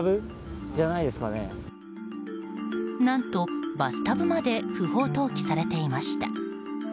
何と、バスタブまで不法投棄されていました。